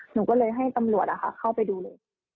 หนูก็เลยให้ตำรวจเข้าไปดูเลย